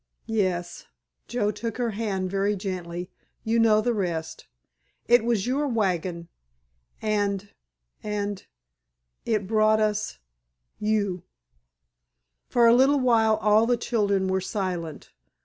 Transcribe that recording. "Yes," Joe took her hand very gently, "you know the rest. It was your wagon—and—and—it brought us—you." For a little while all the children were silent.